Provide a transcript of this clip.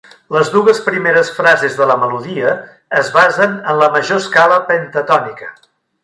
Les dues primeres frases de la melodia es basen en la major escala pentatònica.